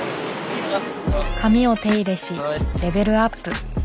髪を手入れしレベルアップ。